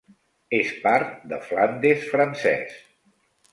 És part de Flandes francès.